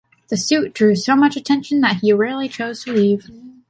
The suit drew so much attention that he rarely chose to leave.